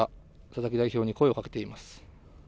佐々木代表に声をかけています。